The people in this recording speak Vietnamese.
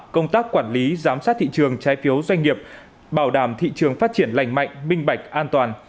công tác quản lý giám sát thị trường trái phiếu doanh nghiệp bảo đảm thị trường phát triển lành mạnh minh bạch an toàn